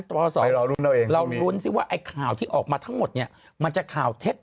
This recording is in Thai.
ต่อสองเราล้นว่าไอ้ข่าวที่ออกมาทั้งหมดเนี่ยมันจะเข่าเท็จ